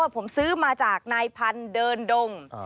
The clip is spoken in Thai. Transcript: ผมซื้อมาจากนายพันธุ์เดินดง